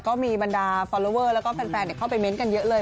ก็มีบรรดาฟอลลอเวอร์แล้วก็แฟนเข้าไปเน้นกันเยอะเลย